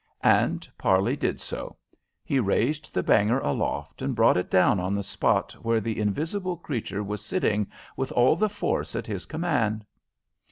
And Parley did so. He raised the banger aloft, and brought it down on the spot where the invisible creature was sitting with all the force at his command.